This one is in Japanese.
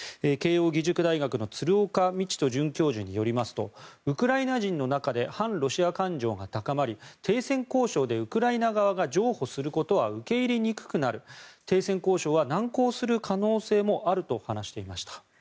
慶応義塾大学の鶴岡路人准教授によりますとウクライナ人の中で反ロシア感情が高まり停戦交渉でウクライナ側が譲歩することは受け入れにくくなる停戦交渉は難航する可能性もあると話していました。